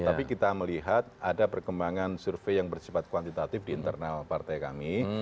tapi kita melihat ada perkembangan survei yang bersifat kuantitatif di internal partai kami